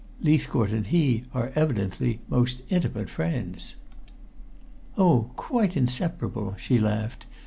"Leithcourt and he are evidently most intimate friends." "Oh, quite inseparable!" she laughed.